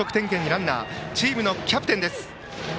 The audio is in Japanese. バッターはチームのキャプテンです。